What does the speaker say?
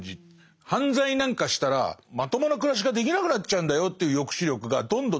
犯罪なんかしたらまともな暮らしができなくなっちゃうんだよという抑止力がどんどん。